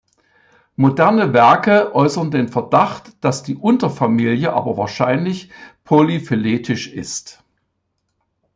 Moderne Werke äußern den Verdacht, dass die Unterfamilie aber wahrscheinlich polyphyletisch ist.